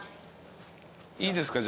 いいですか？